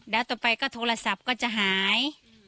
แล้วต่อไปก็โทรศัพท์ก็จะหาย